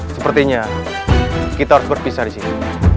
sepertinya kita harus berpisah disini